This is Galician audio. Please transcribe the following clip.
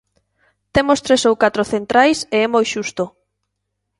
Temos tres ou catro centrais e é moi xusto.